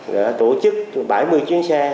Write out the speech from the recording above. đã tổ chức bảy mươi triệu lao động